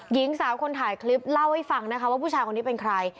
หญิงสาวคนถ่ายคลิปเล่าให้ฟังนะคะว่าผู้ชายคนนี้เป็นใคร